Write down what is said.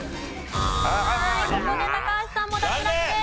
ここで高橋さんも脱落です。